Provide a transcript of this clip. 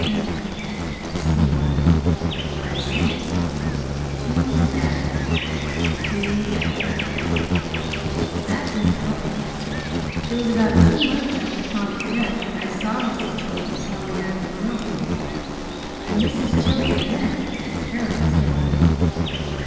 "Hm m; I see, I see. Too bad, too bad!" "But that isn't all. It was about two months after Tom's death that I saw Mrs. Chilton and Pollyanna in Rome, and Mrs. Chilton then was in a terrible state.